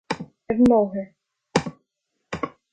Ar an mbóthar